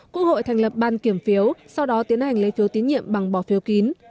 quốc hội thành lập ban kiểm phiếu sau đó tiến hành lấy phiếu tín nhiệm bằng bỏ phiếu kín